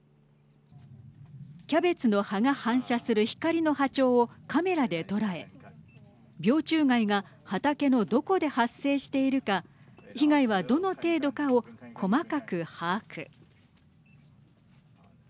きゃべつの葉が反射する光の波長をカメラで捉え病虫害が畑のどこで発生しているか被害はどの程度かを細かく把握。